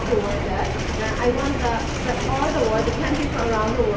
เธออยากยินยันอยู่ในหลักของสิทธิมนุษยชนนะครับ